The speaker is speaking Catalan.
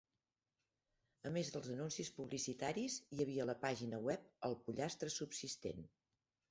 A més dels anuncis publicitaris, hi havia la pàgina web "El pollastre subsistent".